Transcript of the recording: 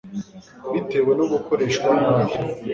bitewe no gukoreshwa nabi